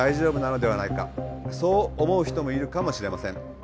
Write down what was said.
そう思う人もいるかもしれません。